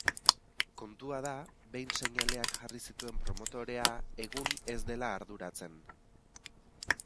Kontua da, behin seinaleak jarri zituen promotorea, egun ez dela arduratzen.